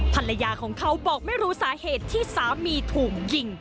ภรรยาของเขาบอกไม่รู้สาเหตุที่สามีถูกยิง